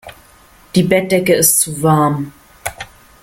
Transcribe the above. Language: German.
Die Bettdecke ist zu warm.